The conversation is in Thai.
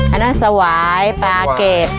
อันนั้นสวายปลาเกด